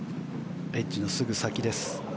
エッジのすぐ先です。